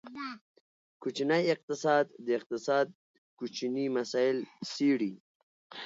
کوچنی اقتصاد، د اقتصاد کوچني مسایل څیړي.